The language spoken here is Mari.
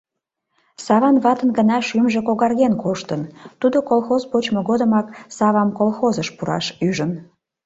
Саван ватын гына шӱмжӧ когарген коштын, тудо колхоз почмо годымак Савам колхозыш пураш ӱжын.